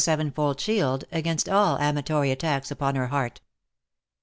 sevenfold shield against all amatory attacks upon her heart.